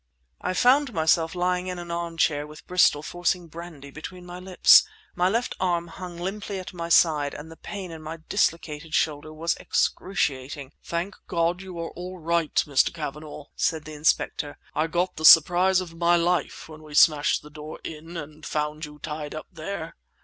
I found myself lying in an armchair with Bristol forcing brandy between my lips. My left arm hung limply at my side and the pain in my dislocated shoulder was excruciating. "Thank God you are all right, Mr. Cavanagh!" said the inspector. "I got the surprise of my life when we smashed the door in and found you tied up here!"